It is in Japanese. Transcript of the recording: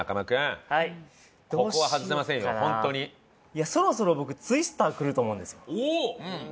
いやそろそろ僕ツイスターくると思うんですよ。